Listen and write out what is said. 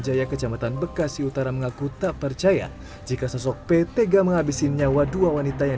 jaya kejamatan bekasi utara mengaku tak percaya jika sosok ptg menghabiskan nyawa dua wanita yang